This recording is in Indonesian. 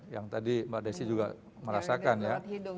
yang tadi mbak desi juga merasakan ya